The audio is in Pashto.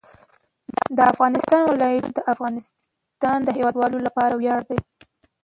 د افغانستان ولايتونه د افغانستان د هیوادوالو لپاره ویاړ دی.